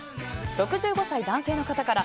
６５歳、男性の方から。